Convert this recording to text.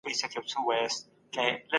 د یتیمانو پالنه د انسانیت دنده ده.